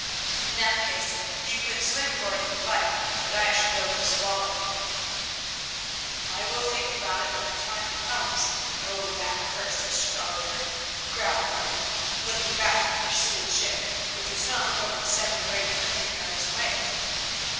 In that case you can swim for it if you like, but I shall go with the Swallow." "I will think about it when the time comes. Oh! that cursed astrologer," growled Martin, looking back at the pursuing ship, which was not more than seven or eight hundred yards away.